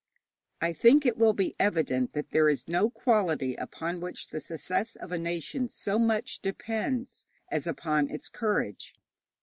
I think it will be evident that there is no quality upon which the success of a nation so much depends as upon its courage.